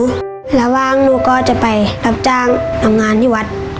ระหว่างหนูก็จะไปรับจ้างทำงานที่วัด